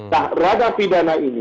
nah ranah pidana ini